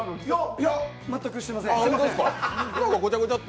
いや、全くしてません。